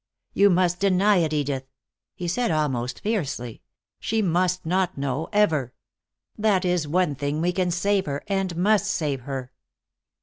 "You must deny it, Edith," he said, almost fiercely. "She must not know, ever. That is one thing we can save her, and must save her."